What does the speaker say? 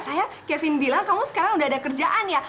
saya kevin bilang kamu sekarang udah ada kerjaan ya